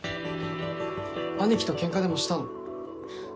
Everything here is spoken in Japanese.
兄貴とケンカでもしたの？